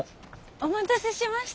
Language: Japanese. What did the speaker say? お待たせしました。